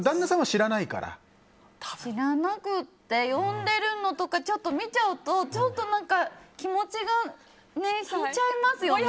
知らなくって、呼んでるのとかちょっと見ちゃうとちょっと気持ちが引いちゃいますよね。